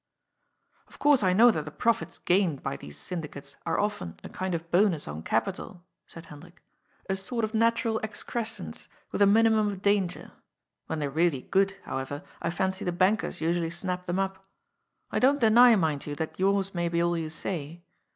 " Of course I know that the profits gained by these syn dicates are often a kind of bonus on capital," said Hendrik, ^^ a sort of natural excrescence, with a minimum of danger. When they're really good, however, I fancy the bankers usually snap them up. I don't deny, mind you, that yours may be all you say.